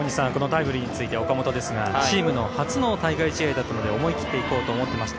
大西さん岡本ですがチームの初の対外試合だったので思い切っていこうと思っていました